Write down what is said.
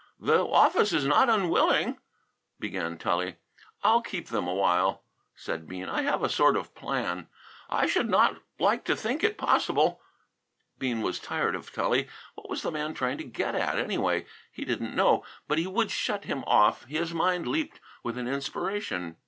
"The office is not unwilling " began Tully. "I'll keep 'em a while," said Bean. "I have a sort of plan." "I should not like to think it possible " Bean was tired of Tully. What was the man trying to get at, anyway? He didn't know; but he would shut him off. His mind leaped with an inspiration.